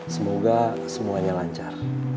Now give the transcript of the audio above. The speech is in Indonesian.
semoga semuanya lancar